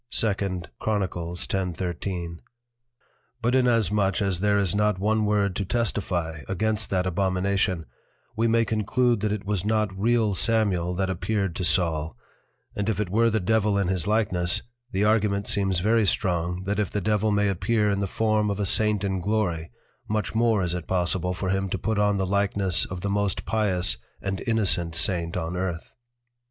2 Chron. 10.13. But in as much as there is not one word to testify against that Abomination, we may conclude that it was not real Samuel that appeared to Saul: and if it were the Devil in his likeness, the Argument seems very strong, that if the Devil may appear in the form of a Saint in Glory, much more is it possible for him to put on the likeness of the most Pious and Innocent Saint on Earth.